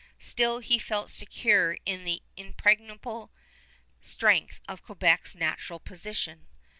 Still he felt secure in the impregnable strength of Quebec's natural position.